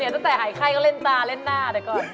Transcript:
ตั้งแต่หายไข้เขาเล่นตาเล่นหน้า